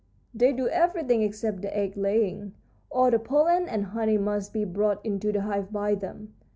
"They do everything except the egg laying. All the pollen and honey must be brought into the hive by them.